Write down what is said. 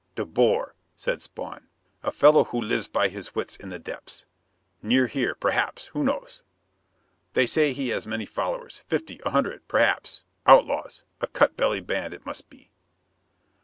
"De Boer," said Spawn. "A fellow who lives by his wits in the depths. Near here, perhaps: who knows? They say he has many followers fifty a hundred, perhaps outlaws: a cut belly band it must be."